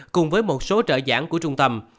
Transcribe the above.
cùng với một số trợ giảng của trung tâm